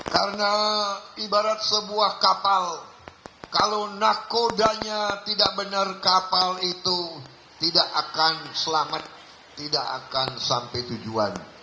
karena ibarat sebuah kapal kalau nakodanya tidak benar kapal itu tidak akan selamat tidak akan sampai tujuan